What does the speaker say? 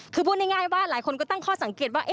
คือพูดง่ายว่าหลายคนก็ตั้งข้อสังเกตว่า